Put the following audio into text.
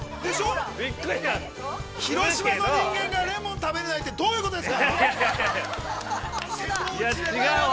◆広島の人間がレモン食べられないってどういうことですか！